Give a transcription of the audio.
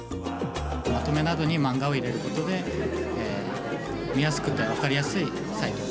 まとめなどに漫画を入れることで見やすくて分かりやすいサイトとなっております。